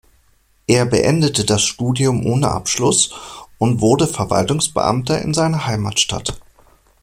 Er beendete das Studium ohne Abschluss und wurde Verwaltungsbeamter in seiner Heimatstadt.